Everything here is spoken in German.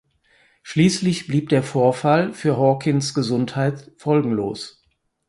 Schließlich blieb der Vorfall für Hawkins Gesundheit folgenlos.